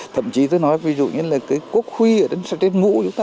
thậm chí tôi nói ví dụ như là cái quốc huy ở trên ngũ chúng ta